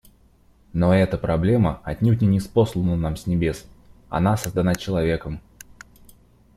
Но эта проблема отнюдь не ниспослана нам с небес; она создана человеком.